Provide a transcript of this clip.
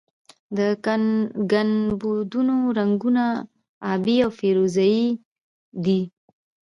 د ګنبدونو رنګونه ابي او فیروزه یي دي.